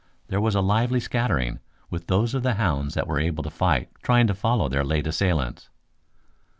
There was a lively scattering, with those of the hounds that were able to fight trying to follow their late assailants.